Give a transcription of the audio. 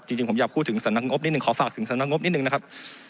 จริงผมอยากพูดถึงสำนักงบนิดหนึ่งขอฝากถึงสำนักงบนิดนึงนะครับ